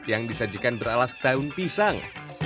yang disajikan beralas daun pisang